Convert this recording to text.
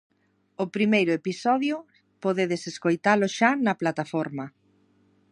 O primeiro episodio podedes escoitalo xa na plataforma.